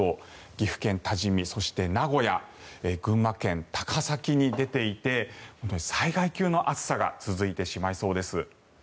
岐阜県多治見、そして名古屋群馬県高崎に出ていて災害級の暑さが続いてしまいそうです。